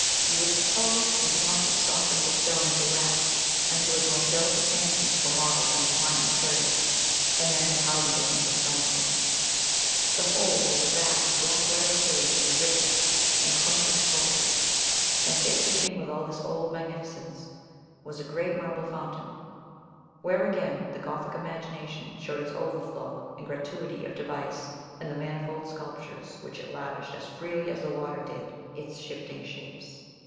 You would suppose that he must have softened the stone into wax, until his most delicate fancies were modelled in the pliant material, and then had hardened it into stone again. The whole was a vast, black letter page of the richest and quaintest poetry. In fit keeping with all this old magnificence was a great marble fountain, where again the Gothic imagination showed its overflow and gratuity of device in the manifold sculptures which it lavished as freely as the water did its shifting shapes.